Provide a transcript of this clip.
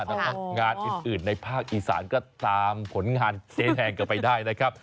แล้วก็งานอื่นในภาคอีสานก็ตามผลงานเจ๊แทนกลับไปได้นะครับ